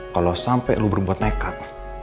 kalau sampai lu berbuat nekat